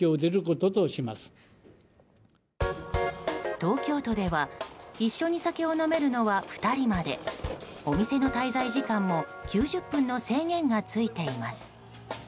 東京都では一緒に酒を飲めるのは２人までお店の滞在時間も９０分の制限がついています。